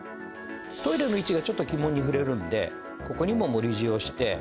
トイレの位置がちょっと鬼門に触れるんでここにも盛り塩して。